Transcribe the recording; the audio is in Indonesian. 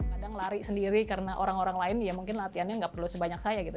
kadang lari sendiri karena orang orang lain ya mungkin latihannya nggak perlu sebanyak saya gitu